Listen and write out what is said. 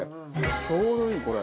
ちょうどいい！これ。